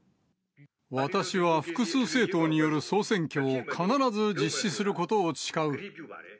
私は複数政党による総選挙を必ず実施することを誓う。